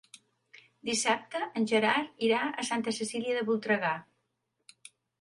Dissabte en Gerard irà a Santa Cecília de Voltregà.